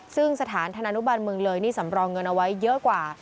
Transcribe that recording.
ซึ่งสถานธนานุบันเมืองเลยนี่สำรองเงินเอาไว้เยอะกว่า